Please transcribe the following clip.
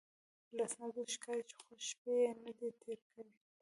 له اسنادو ښکاري چې خوږې شپې یې نه دي تېرې کړې.